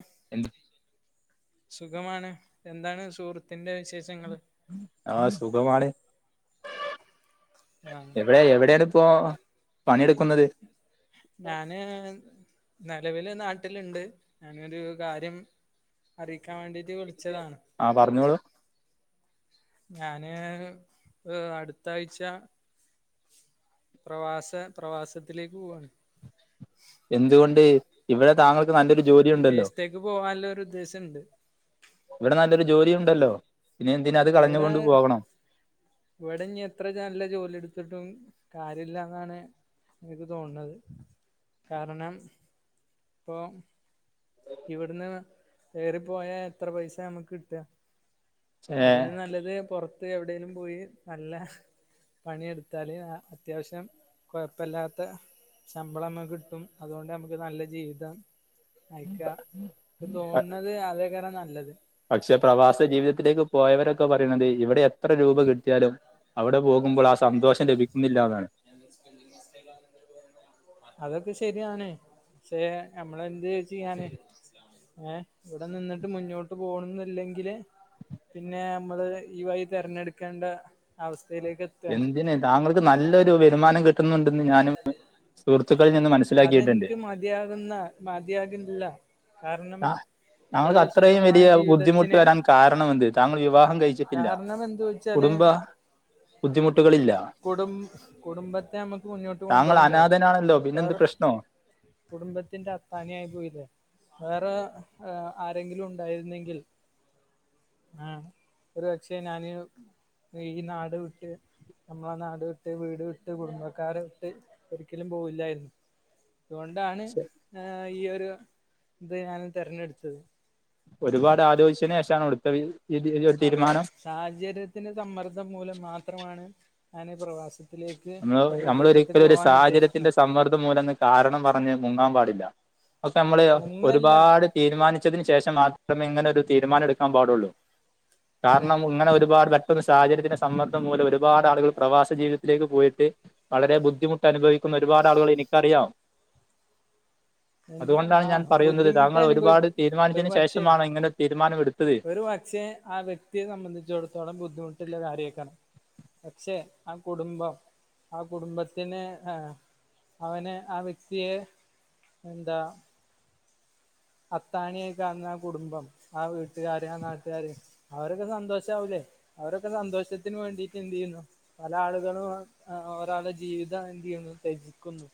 [unintelligible] ശുഖമാണ് എന്താണ് സുഹൃത്തിന്റെ വിശേഷങ്ങള് ആഹ് സുഖമാണ് ആഹ്. എവിടെ എവിടെയാണിപ്പോ പണിയെടുക്കുന്നത് ഞാന് നിലവില് നാട്ടിലിണ്ട് ഞാനൊരു കാര്യം അറിയിക്കാൻ വേണ്ടിട്ട് വിളിച്ചതാണ് ആഹ് പറഞ്ഞോളു ഞാന് ഏഹ് അടുത്താഴ്ച്ച പ്രവാസ പ്രവാസത്തിലേക്ക് പോവാണ്. എന്തുകൊണ്ട് ഇവിടെ താങ്ക വിദേശത്തേക്ക് പോകാല്ലൊരു ഉദ്ദേശെണ്ട്. ഇവിടെ നല്ലൊരു ജോലി ഉണ്ടല്ലോ പിന്നെ എന്തിന അത് ഇവിടേ കളഞ്ഞുകൊണ്ട് പോകണം ഇവിടെ ഇനി എത്ര നല്ല ജോലി എടുത്തിട്ടും കാര്യില്ലാന്നാണ് എനിക്ക് തോന്നണത് കാരണം ഇപ്പോം ഇവിടുന്ന് കയറിപ്പോയാ എത്ര പൈസാ നമുക്ക് കിട്ടാ ഏഹ് അതിലും നല്ലത് പൊറത്ത് എവിടേലും പോയി നല്ല പണിയെടുത്താല് അത്യാവശ്യം കൊഴപ്പില്ലാത്ത ശമ്പളം അമ്മ്ക്ക് കിട്ടും അതുകൊണ്ട് നമുക്ക് നല്ല ജീവിതം ക്ക ക്ക്‌ തോൺണത് അതേക്കാരം നല്ലത് പക്ഷെ പ്രവാസ ജീവിതത്തിലേക്ക് പോയവരൊക്കെ പറയണുന്നത് ഇവിടെ എത്ര രൂപ കിട്ടിയാലും അവിടെ പോകുമ്പോൾ ആ സന്തോഷം ലഭിക്കുന്നില്ല എന്നാണ് ഞാ ജസ്റ്റ് സ്പെല്ലിങ് മിസ്റ്റെക് ആണെങ്കിലും അതൊക്കെ ശരിയാണ് പക്ഷെ നമ്മളെന്ത് ചെയ്യാന് ഏഹ് ഇവിടെ നിന്നിട്ട് മുന്നോട്ട് പോണംന്നില്ലെങ്കില് പിന്നെ നമ്മള് ഈ വഴി തിരഞ്ഞെടുക്കേണ്ട അവസ്ഥയിലേക്ക് എ എന്തിന് താങ്കൾക്ക് നല്ലൊരു വരുമാനം കിട്ടുന്നുണ്ടെന്ന് ഞാനും സുഹൃ അതെനിക്ക് മതിയാകുന്ന മതിയാകുന്നില്ല കാരണം ആഹ് ഒരു താങ്കൾക്ക് അത്രയും സുഖമായ വലിയ ബുദ്ധിമുട്ട് ജീവിതത്തിന് വരാൻ കാരണമെന്ത് താങ്കൾ വിവാഹം കഴിച്ചിട്ടില്ല കാരണം എന്ത് വെച്ചാല് കുടുംബ ബുദ്ധിമുട്ടുകളില്ല കുടും കുടുംബത്തെ നമ്മുക്ക് മുന്നോട്ട് താങ്കൾ കൊണ്ടുപോണ്ടേ അനാഥനാണല്ലോ പിന്നെന്ത് മിക്കവാറും പ്രശ്നോ കുടുംബത്തിന്റെ അത്താണി ആയി പോയില്ലേ വേറെ ആരെങ്കിലുണ്ടായിര്ന്നെങ്കിൽ ആഹ് ഒരു പക്ഷെ ഞാന് ഈ ഈ നാട് വിട്ട് ഞമ്മളെ നാട് വിട്ട് വീട് വിട്ട് കുടുംബക്കാരെ വിട്ട് ഒരിക്കലും പോവില്ലായിര്ന്നു അതുകൊണ്ടാണ് ഏഹ് ഈ ഒരു ഇത് ഞാൻ തെരഞ്ഞെട്ത്തത് ഒരുപാട് ആലോച്ചേന് ശേഷാണൊ ഇട്ത്തത് അതെ സാഹചര്യത്തിന്റെ സമ്മർദ്ദം മൂലം മാത്രമാണ് ഞാന് പ്രവാസ ഞമ്മള് ഞമ്മളൊരിക്കലൊരു സാഹചര്യത്തിന്റെ ഉദ്ദേശിക്കുന്നത് സമ്മർ ദം മൂലംന്ന് കാരണം പറഞ്ഞ് മുങ്ങാൻ പാടില്ല. പ്പൊക്കെ അമ്മള് മുങ്ങല്ല ഒരുപാട് തീരുമാനിച്ചതിന് ശേഷം മാത്രമെ ഇങ്ങ്നൊരു തീരുമാനെടുക്കാൻ പാടുള്ളു അതെ കാര്ണം ഇങ്ങനൊരുപാട് [unintelligible] ട്ട് സാഹചര്യത്തിന്റെ സമ്മർദം മൂലം ഒരുപാട് ആള്കള് പ്രവാസ ജീവിതത്ത്ലേക്ക് പോയിട്ട് വളരെ ബുദ്ധിമുട്ടനുഭവി ക്കുന്ന ഒരുപാട് ആളുകളെ എനിക്കറിയാം അതുകൊണ്ടാണ് ഞാൻ ആഹ് പറയുന്നത് താങ്കൾ ഒരുപാട് ബുദ്ധിമുട്ടനുഭവിക്കു ഒര് തീരുമാനിച്ചതിന് പക്ഷെ ശേഷമാണ് ഇങ്ങനെ തീരുമാനം എടുത്തത് ഒരു പക്ഷേ ആ വ്യക്തിയെ സംബന്ധിച്ചെട്ത്തോളം ബുദ്ധിമുട്ട്ള്ള കാര്യേക്കാരം പക്ഷെ ആ കുടുംബം ആ കുടുംമ്പത്തിന് ആഹ് അവനേ ആ വ്യക്തിയേ എന്താ അത്താണിയായി കാണ്ന്ന ആ കുടുംബം ആ വീട്ടുകാര് ആ നാട്ടുകാര് അവരൊക്കെ സന്തോഷാവൂലെ അവരൊക്കെ സന്തോഷത്തിന് വേണ്ടീട്ടെന്തീയ്യുന്നു പല ആളുകളും ഏഹ് ഒരാളെ ജീവിതം എന്തീയ്യുന്നു തെജിക്കുന്നു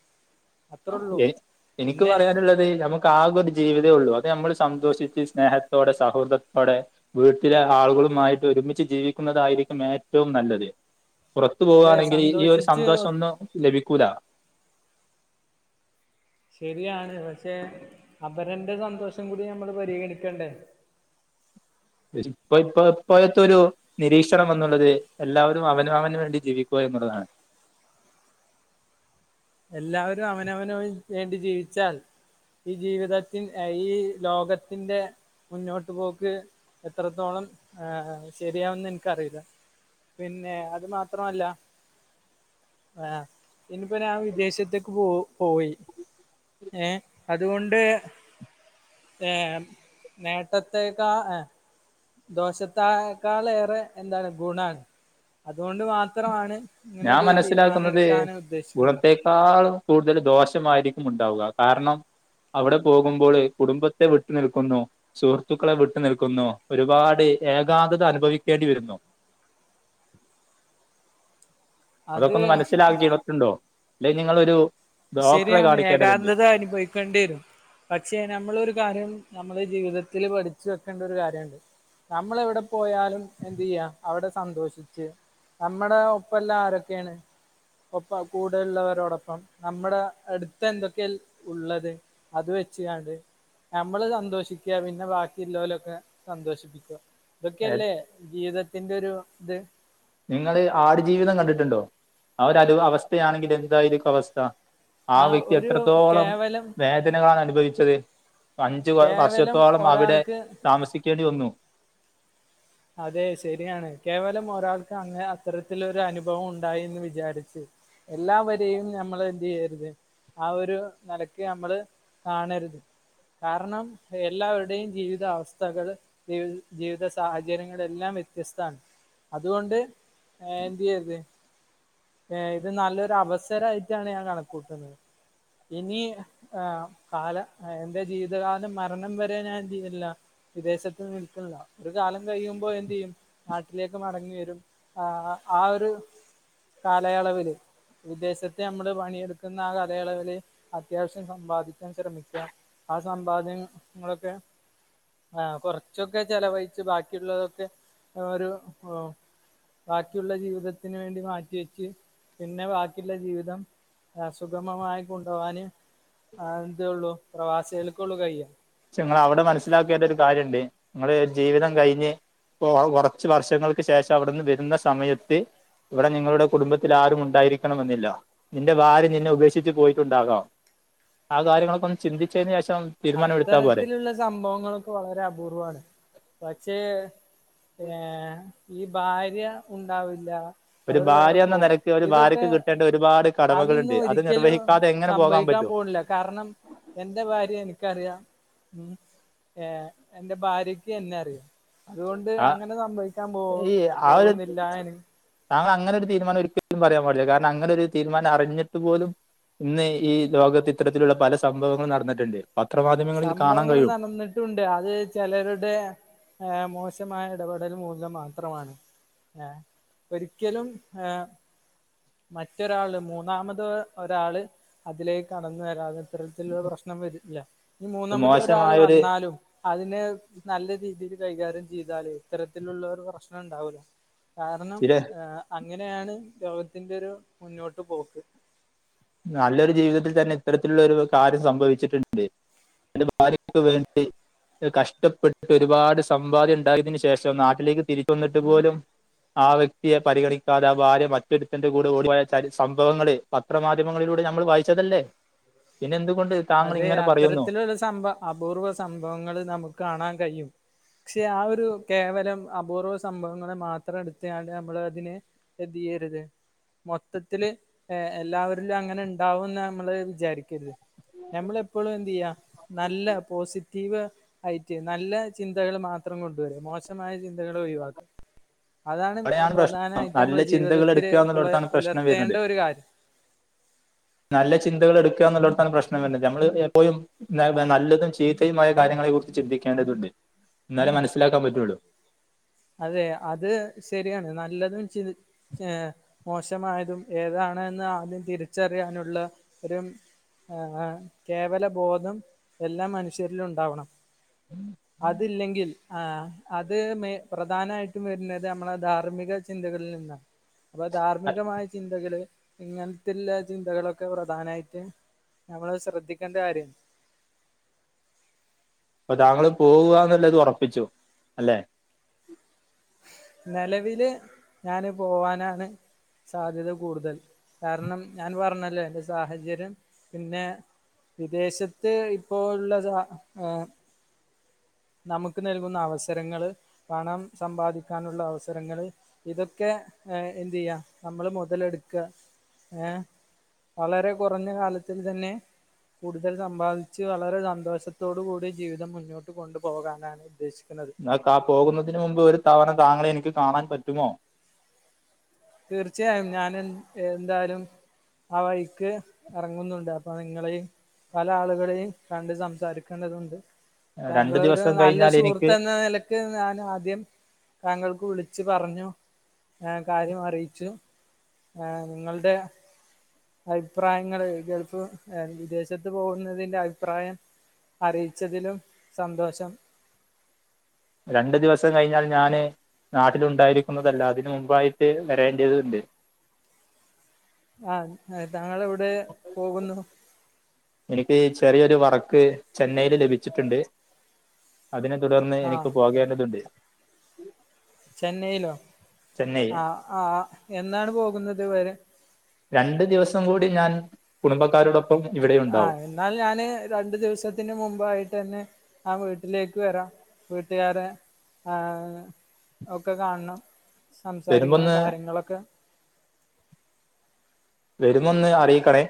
ഏഹ് ഇനിക്ക് പറയാന്ള്ളത് ഞമക് ക്കാകൊരു ജീവിതെ ഉള്ളു അത് ഞമ്മള് സന്തോഷിച്ച് സ്നേഹത്തോടെ സഹോദർത്തോടെ വീട്ട്ലെ ആളുകളുമായിട്ട് ഒരുമിച്ച് ജീവിക്കുന്നതായിരിക്കും ഏറ്റവും നല്ലത് പുറത്ത് അതെ പോവാണെങ്കില് ഈ ഒര് സന്തോഷിച്ച് സന്തോഷൊന്നും ലഭിക്കൂല ശരിയാണ് പക്ഷെ അപരന്റെ സന്തോഷം കൂടി ഞമ്മള് പരിഗണിക്കണ്ടെ ഒരിപ്പ യിപ്പ ഇപ്പങ്ങത്തൊരു നിരീക്ഷണം എന്നുള്ളത് എല്ലാവരും അവനവന് വേണ്ടി ജീവിക്കുക എന്നുള്ളതാണ് എല്ലാവരും അവനവന് വേണ്ടി ജീവിച്ചാൽ ഈ ജീവിതത്തിൻ ഈ ലോകത്തിന്റെ മുന്നോട്ട് പോക്ക് എത്രെത്തോളം ഏഹ് ശരിയാവുന്ന് ഇൻക്കറിയൂല്ല പിന്നെ അത് മാത്രല്ല ആഹ് ഇനിപ്പൊ ഞാ വിദേശത്തേക്ക് പോ പോയി ഏഹ് അതുകൊണ്ട് ഏഹ് നേട്ടത്തെക്കാ ഏഹ് ദോഷത്താ ക്കാൾ ഏറെ എന്താണ് ഗുണാണ് അതുകൊണ്ട് മാത്രാണ് ഞാൻ ഇങ്ങനൊരു തീരുമാനെട്ക്കാന് ഉദ്ദേശിക്കുന്നത് ക്കാൾ കൂടുതല് ദോഷമായിരിക്കും ഉണ്ടാവുക കാരണം അവ്ടെ പോകുമ്പോള് കുടുംബത്തെ വിട്ട് നിൽക്കുന്നു സുഹൃത്തുക്കളെ വിട്ട് നിൽക്കുന്നു ഒരുപാട് ഏകാന്തത അനുഭവിക്കേണ്ടി വരുന്നു അത് അതൊക്കൊന്ന് മനസ്സിലാക്കി വെക്ക്ണ്ണ്ടോ അല്ലെഞി ങ്ങളൊരു ശരിയാണ് ഏകാന്തത അനുഭവി ക്കണ്ടേരും പക്ഷെ നമ്മ്ളൊരു കാര്യം. ഞമ്മ്ള് ജീവിതത്തില് പഠിച്ച് വെക്കണ്ട ഒര് കാര്യണ്ട് നമ്മളെവ്ടെ പോയാലും എന്തിയ്യ അവടെ സന്തോഷ്ച്ച് നമ്മ്ടെ ഒപ്പെല്ലാരൊക്കേണ് ഒപ്പം കൂടെള്ളവരോടൊപ്പം നമ്മ്ടെ ഏട്ത്ത് എന്തൊക്കെ ഉള്ളത് അത് വെച്ച്ങ്ങാണ്ട് ഞമ്മള് സന്തോഷിക്ക. പിന്നെ ബാക്കിള്ളോലൊക്കെ സന്തോഷിപ്പിക്ക ഇതൊക്കല്ലേ ജീവിതത്തിന്റൊരു ഇത് ഇങ്ങള് ആടുജീവിതം കണ്ടിട്ട്ണ്ടൊ അവര് ഒര് അവസ്ഥയാണെങ്കി എന്തായിരിക്കു അവസ്ഥ ആ ആഹ് വ്യക്തി ഒരു എത്രത്തോളം കേവലം വേദനകളാണ് അനുഭവിച്ചത് അഞ്ചു കേവലം വർഷത്തോളം അവിടെ ഒരാൾക്ക് താമസിക്കേണ്ടി വന്നു അതെ ശരിയാണ് കേവലം ഒരാൾക്ക് അങ്ങനെ അത്തരത്തിലൊരനുഭവം ഉണ്ടായീന്ന് വിജാരിച്ച് എല്ലാവരെയും നമ്മൾ എന്ത് ചെയ്യരുത് ആഹ് ഒരു നിലക്ക് നമ്മള് കാണരുത് കാരണം എല്ലാവരുടെയും ജീവിതാവസ്ഥകൾ ജീവിത സാഹ [unintelligible] എല്ലാം വ്യത്യസ്താണ് അതുകൊണ്ട് എ എന്തെയ്യരുത്. ഏ ഇത് നല്ലൊരു അവസരമായിട്ടാണ് ഞാൻ കണക്കൂട്ടുന്നത് ഇനി ആ് കാല എന്റെ ജീവിതകാലം മരണം വരെ ഞാൻ ചെയ്തിട്ടില്ല വിദേശത്ത് നിൽക്കുന്നില്ല ഒരു കാലം കഴിയുമ്പോ എന്നെയ്യും നാട്ടിലേക്ക് മടങ്ങി വരും ആഹ് ആഹ് ഒരു കാലയളവ് ല് വിദേശത്ത് നമ്മള് പണിയെടുക്കുന്ന ആഹ് കലയളവിൽ അത്യാവശ്യം സമ്പാദിക്കാൻ ശ്രമിക്ക ആഹ് സമ്പാദ്യ ങ്ങളൊക്കെ ആഹ് കുറച്ചൊക്കെ ചെലവഴിച്ചച്ച് ബാക്കിയുള്ളതൊക്കെ ഒരു ബാക്കിയുള്ള ജീവിതത്തിന് വേണ്ടി മാ വെച്ച് പിന്നെ ബാക്കിയുള്ള ജീവിതം സുഗമമായി കൊണ്ടുപോവാന് ആഹ് എന്തേ ഉള്ളൂ പ്രവാസികൾക്കള്ളൂ കയ്യ പക്ഷെ നിങ്ങ അവിടെ മനസ്സിലാക്കേണ്ട ഒരു കാര്യമു ണ്ട് നിങ്ങള് ജീവിതം കഴിഞ്ഞ് ഒ കുറച്ച് വർഷങ്ങൾക്ക് ശേഷം അവിടുന്ന് വരുന്ന സമയത്ത് ഇവിടെ ഞങ്ങളുടെ കുടുംബത്തിൽ ആരും ഉണ്ടായിരിക്കണമെന്നില്ലാ നിന്റെ ഭാര്യ നിന്നെ ഉപേക്ഷിച്ച് പോയിട്ടുണ്ടാകാം ആഹ് കാര്യങ്ങളൊക്കൊഒന്ന് ചിന്തിച്ചേന് ശേഷം തീരുമാനം എടു അത്തരത്തിലുള്ള സംഭവങ്ങളൊക്കെ വളരെ അപൂർവ്വമാണ് പക്ഷേ ഏ ഈ ഭാര്യ ഉണ്ടാവില്ല ഒരു അവര് വേറെ ഭാര്യ എന്ന പോകും നിലയ്ക്ക് ഒരു ഇതൊക്കെ ഭാര്യക്ക് കിട്ടേണ്ട ഒരുപാട് അതൊന്നും കടമകളുണ്ട് അത് ഒരിക്കലും നിർവഹിക്കാതെ എങ്ങനെ പോകാൻ സംഭവിക്കാൻ പറ്റും പോണില്ല കാരണം എന്റെ ഭാര്യ എനിക്കറിയാം ഏ എന്റെ ഭാര്യക്ക് എന്നെ അറിയാം അതുകൊണ്ട് ആ അങ്ങനെ സംഭവിക്കാൻ പോ ഈ ആ ഒരു പോകുന്നില്ലന് താങ്കൾ അങ്ങനെ ഒരു തീരുമാനം [unintelligible] ഒരിക്കലും പറയ്യാൻപാടില്ല കാരണം അങ്ങനെ ഒരു തീരുമാനം അറിഞ്ഞിട്ട് പോലും ഇന്ന് ഈ ലോകത്ത് ഇത്തരത്തിലുള്ള പല സംഭവങ്ങൾ നടന്നിട്ടുണ്ട് പത്രമാധ്യമങ്ങളിൽ കാണാൻ കഴിയോ ട്ടുണ്ട് അത് ചിലരുടെ മോശമായ ഇടപെടൽ മൂലം മാത്രമാണ് ഏ ഒരിക്കലും ഏ. മറ്റൊരാള് മൂന്നാമത് ഒരാള് അതിലേക്ക് കടന്നു വരാതെ ഇത്തരത്തിലുള്ള പ്രശ്നം വരില്ല ഇനി ഇത് മൂന്നാമതെ ഒരാൾ മോശമായ ഒരു വന്നാലും അതിനെ നല്ല രീതിയിൽ കൈകാര്യം ചെയ്താല് ഇത്തരത്തിലുള്ളരു പ്രശ്നം ഉണ്ടാവു ല കാരണം ചില അങ്ങനെയാണ് ലോകത്തിന്റെ ഒരു മുന്നോട്ട് പോക്ക് നല്ലൊരു ജീവിതത്തിൽ തന്നെ ഇത്തരത്തിലുള്ളരു കാര്യം സംഭവിച്ചിട്ട്ണ്ട് പിന്നെ ഭാര്യക്ക് വേണ്ടി കഷ്ടപ്പെട്ട് ഒരുപാട് സമ്പാദ്യം ഉണ്ടായതിന് ശേഷം നാട്ടിലേക്ക് തിരി വന്നിട്ട് പോലും ആഹ് വ്യക്തിയെ പരിഗണിക്കാതെ ആഹ് ഭാര്യ മറ്റൊരുത്തിന്റെ കൂടെ ഓടിപോയ ച സംഭവങ്ങള് പത്രവമാധ്യ മാധ്യമങ്ങളിലൂടെ ഞമ്മള് വായിച്ചതല്ലേ പിന്നെന്തുകൊണ്ട് അതെ അത്തരത്തിലുള്ള സംഭവ അപൂർവ സംഭവങ്ങൾ നമുക്ക് കാണാൻ കഴിയും ക്ഷെ ആ ഒരു കേവലം അപൂർവ സംഭവങ്ങള് മാത്രം എടുത്തയാല് നമ്മള് അതിന് എന്ത്യ്യരുത് മൊത്തത്തില് എല്ലാവരിലും അങ്ങനെ ഉണ്ടാവുന്ന് നമ്മള് വിചാരിക്കരുത് എപ്പളും എന്ത് ചെയ്യാ നല്ല പോസിറ്റീവ് ആയിറ്റ് നല്ല ചിന്തകള് മാത്രം കൊണ്ടുവരാ മോശമായ ചിന്തകള് ഒഴിവാക്കുക. അതാണ് അവിടെയാണ് പ്രശ്നം പ്രധാനായിട്ട് നല്ല നമ്മള് ചിന്തകൾ ജീവിതത്തിൽ എടുക്കുക പുല എന്നുള്ളിടത്താണ് പ്രശ്നം പുലർത്തേണ്ട വരുന്നത് ഒരു കാര്യം ! ! നല്ല ചിന്തകളെടുക്കുക എന്നുള്ളടത്താണ് പ്രശ്നം വരുന്നത് നമ്മള് എപ്പോഴും നല്ലതും ചീത്തയുമായ കാര്യങ്ങളെ കുറിച്ച് ചിന്തിക്കേണ്ടതുണ്ട് എന്നാലേ മനസ്സിലാക്കാൻ പറ്റുള്ളൂ അതെ അത് ശരിയാണ് നല്ലതും ചീ ഏഹ് മോശമായതും ഏതാണ് എന്ന് ആദ്യം തിരിച്ചറിയാനുള്ള ഒരു ആഹ് ആഹ് കേവലബോധം എല്ലാ മനുഷ്യരിലും ഉണ്ടാവണം അതില്ലെങ്കിൽ ആ അത് മേ പ്രധാനായിട്ടും വരുന്നത് മ്മളെ ധാർമ്മിക ചിന്തകളിൽ നിന്നാ അപ്പൊ ധാർമ്മികമായ ചിന്തകള് ഇങ്ങനെത്തുള്ള ചിന്തകളൊക്കെ പ്രധാനായിട്ട് നമ്മൾ ശ്രദ്ധിക്കേണ്ട കാര്യാണ് അപ്പൊ താങ്കള് പോവുകാന്ന്ല്ലത് ഉറപ്പിച്ചു അല്ലെ നെലവില് ഞാന് പോവാനാണ് സാധ്യത കൂടുതൽ കാരണം ഞാൻ പറഞ്ഞല്ലോ എന്റെ സാഹചര്യം പിന്നെ വിദേശത്ത് ഇപ്പോ ഉള്ള സാ ഏഹ് നമുക്ക് നൽകുന്ന അവസരങ്ങള് പണം സമ്പാദിക്കാനുള്ള അവസരങ്ങള് ഇതൊക്കെ ഏഹ് എന്ത് ചെയ്യാ നമ്മള് മുതലെടുക്കുക ഏഹ് വളരെ കുറഞ്ഞ കാലത്തിൽ തന്നെ കൂടുതൽ സമ്പാദിച്ച് വളരെ സന്തോഷത്തോടു കൂടി ജീവിതം മുന്നോ ട്ട് കൊണ്ടു പോകാനാണ് ഉദ്ദേശിക്കുന്നത് ആഹ് കാ പോകുന്നതിന് മുമ്പ് ഒരു തവണ താങ്കളെ എനിക്ക് കാണാൻ പറ്റുമോ തീർച്ചയായും ഞാന് എൻ എന്തായാലും ആ വഴിക്ക് എറങ്ങുന്നുണ്ട് അപ്പൊ നിങ്ങളേയും പല ആളുകളെയും കണ്ട് സംസാരിക്കേണ്ടതുണ്ട് താങ്കൾ രണ്ട് ഒരു ദിവസം നല്ല കഴിഞ്ഞാൽ എനിക്ക് സുഹൃത്ത് എന്ന നില യ്ക്ക് ഞാൻ ആദ്യം താങ്കൾക്ക് വിളിച്ച് പറഞ്ഞു കാര്യം അറിയിച്ചു നിങ്ങളുടെ അഭിപ്രായങ്ങള് ഗൾഫ് വിദേശത്ത് പോകുന്നതിന്റെ അഭിപ്രായം അറിയിച്ചതിലും സന്തോഷം രണ്ടു ദിവസം കഴിഞ്ഞാൽ ഞാന് നാട്ടിലുണ്ടായിരിക്കുന്നതല്ല അതിന് മുമ്പായിട്ട് വരേണ്ടതുണ്ട് ആഹ് താങ്കളെവിടെ പോകുന്നു എനിക്ക് ചെറിയൊരു വർക്ക് ചെന്നൈയില് ലഭിച്ചിട്ടുണ്ട് അതിനെ തുടർന്ന് എനിക്ക് ആഹ് പോകേണ്ടതുണ്ട് ചെന്നൈയിലോ ചെന്നൈ ആഹ് ആഹ് എന്നാണ് പോകുന്നത് വരെ രണ്ടു ദിവസം കൂടി ഞാൻ കുടുംബക്കാരുടൊ ആഹ് എന്നാൽ ഞാന് രണ്ടു ദിവസത്തിന് മുമ്പായിട്ട് തന്നെ ആ വീട്ടിലേക്ക് വരാം വീട്ടുകാരെ ആഹ് ഒക്കെ കാണണം സംസാരിക്കണം വരുമ്പൊന്ന് കാര്യങ്ങളൊക്കെ വരുന്നന്ന് അറിയിക്കണേ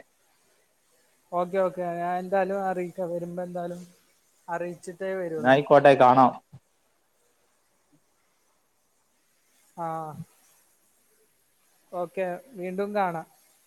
ഓക്കെ ഓക്കെ ഞാൻ എന്തായാലും അറിയിക്കാം വരുമ്പോന്തായാലും അറിയിച്ചിട്ടേ വരുള്ളൂ പോട്ടേ കാണാം ആഹ് ഓക്കെ വീണ്ടും കാണാം